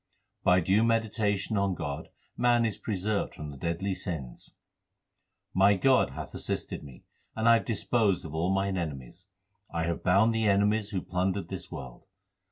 By due meditation on God man is preserved from the deadly sins : My God hath assisted me, and I have disposed of all mine enemies. I have bound the enemies who plundered this world.